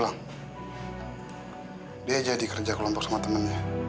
ini kerja iksan